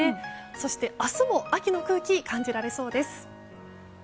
そして明日も秋の空気感じられそうです。